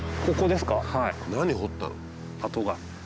ここですか？